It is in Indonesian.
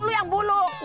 lu yang buluk